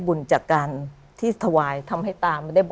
คุณซูซี่คุณซูซี่